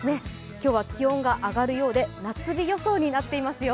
今日は気温が上がるようで、夏日予想になっていますよ。